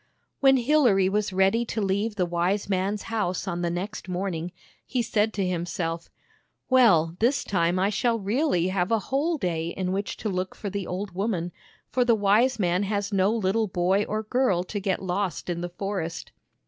When Hilary was ready to leave the wise man's house on the next morning, he said to himself: " WeU, this time I shall really have a whole day in which to look for the old woman, for the wise man has no little hoy or girl to get lost in the forest."